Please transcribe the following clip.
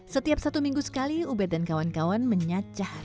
setiap satu minggu sekali ubed dan kawan kawan menyacah lima puluh kg eceng gondok